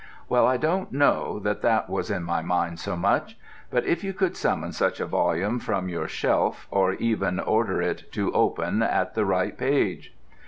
'Well, I don't know that that was in my mind so much; but if you could summon such a volume from your shelf or even order it to open at the right page.'